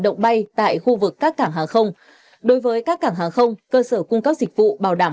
động bay tại khu vực các cảng hàng không đối với các cảng hàng không cơ sở cung cấp dịch vụ bảo đảm